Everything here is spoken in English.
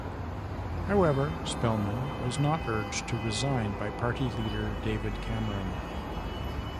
However, Spelman was not urged to resign by party leader, David Cameron.